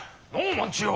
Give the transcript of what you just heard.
万千代。